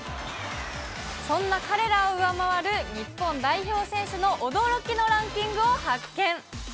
そんな彼らを上回る日本代表選手の驚きのランキングを発見。